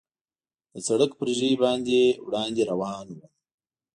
د سړک پر ژۍ باندې وړاندې روان ووم.